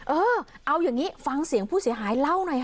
เออเอาอย่างนี้ฟังเสียงผู้เสียหายเล่าหน่อยค่ะ